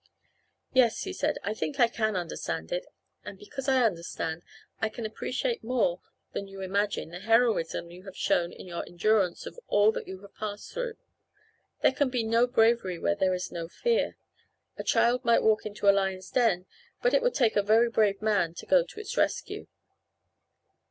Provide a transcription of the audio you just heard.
"Yes," he said, "I think I can understand it, and because I understand I can appreciate more than you imagine the heroism you have shown in your endurance of all that you have passed through. There can be no bravery where there is no fear. A child might walk into a lion's den, but it would take a very brave man to go to its rescue."